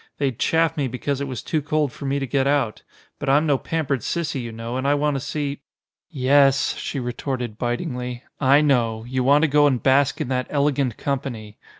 They'd chaff me because it was too cold for me to get out. But I'm no pampered sissy, you know, and I want to see " "Yes," she retorted bitingly, "I know. You want to go and bask in that elegant company.